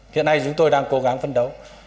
hiện nay chúng tôi đang cố gắng phân đấu